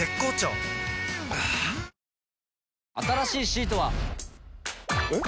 はぁ新しいシートは。えっ？